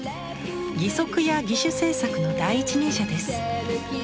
義足や義手製作の第一人者です。